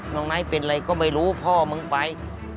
ไนท์เป็นอะไรก็ไม่รู้พ่อมึงไป